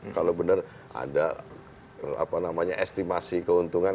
kalau benar ada estimasi keuntungan